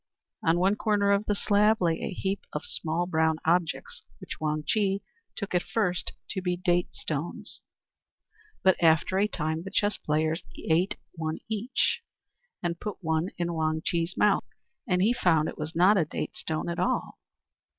On one corner of the slab lay a heap of small, brown objects which Wang Chih took at first to be date stones; but after a time the chess players ate one each, and put one in Wang Chih's mouth; and he found it was not a date stone at all.